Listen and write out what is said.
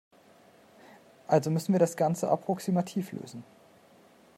Also müssen wir das Ganze approximativ lösen.